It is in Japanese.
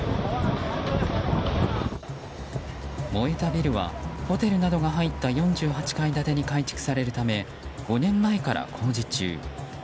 燃えたビルはホテルなどが入った４８階建てに改築されるため５年前から工事中。